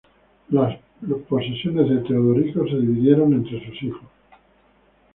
Las posesiones de Teodorico se dividieron entre sus hijos.